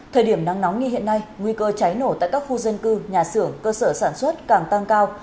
thời điểm nắng nóng như hiện nay nguy cơ cháy nổ tại các khu dân cư nhà xưởng cơ sở sản xuất càng tăng cao